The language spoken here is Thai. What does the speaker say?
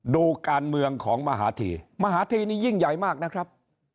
ดูการเมืองของมหาธีมหาธีนี่ยิ่งใหญ่มากนะครับ